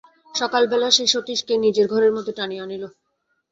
সকালবেলা সে সতীশকে নিজের ঘরের মধ্যে টানিয়া আনিল।